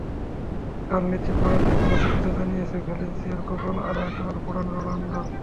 কাল নিশ্চিত পরাজয়কে অস্বীকৃতি জানিয়ে ভ্যালেন্সিয়ার কপাল আরও একবার পোড়ান রোনালদো।